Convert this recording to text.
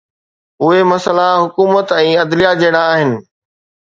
اهي مسئلا حڪومت ۽ عدليه جهڙا آهن